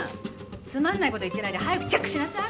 つまんない事言ってないで早くチェックしなさい！